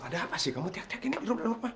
leon ada apa sih kamu tiap tiap ini di rumah